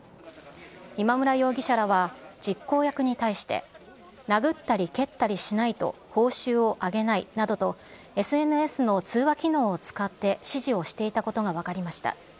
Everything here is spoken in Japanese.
今村容疑者らは、実行役に対して、殴ったり蹴ったりしないと報酬をあげないなどとＳＮＳの通話機能を使って指示をしていたことが分かりました。